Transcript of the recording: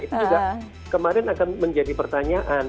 itu juga kemarin akan menjadi pertanyaan